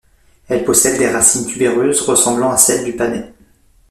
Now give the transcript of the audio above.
Elle possède des racines tubéreuses, ressemblant à celles du panais.